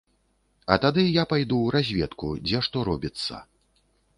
А тады я пайду ў разведку, дзе што робіцца.